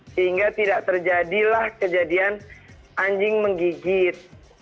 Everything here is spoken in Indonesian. sehingga tidak terjadilah kejadian anjing menggigit